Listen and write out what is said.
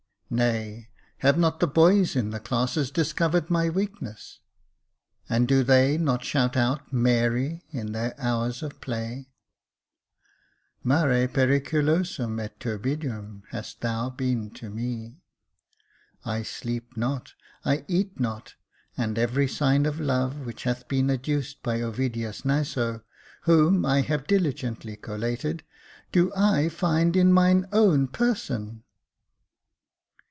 Nay, have not the boys in the classes discovered my weakness, and do they not shout out Mary in their hours of play ? Mare periculosum et turbidum hast thou been to me. I sleep not — I eat not, — and every sign of love which hath been adduced by Ovidius Naso, whom I have diligently collated, do I find in mine own person.